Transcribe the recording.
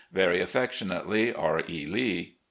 "Very affectionately, "R. E. Lee."